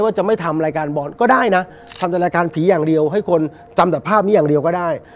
จะไม่ทำรายการบอลก็ได้นะทำแต่รายการผีอย่างเดียวให้คนจำแต่ภาพนี้อย่างเดียวก็ได้